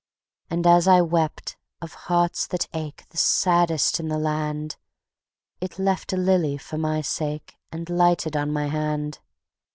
And as I wept of hearts that ache The saddest in the land It left a lily for my sake, And lighted on my hand.